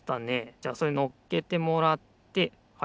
じゃあそれのっけてもらってはいはいはい。